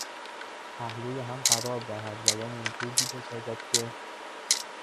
پهلوی هم قرار دهد و یا موجودی بسازد که